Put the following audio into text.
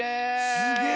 すげえ！